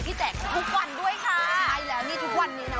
แจกทุกวันด้วยค่ะใช่แล้วนี่ทุกวันนี้นะ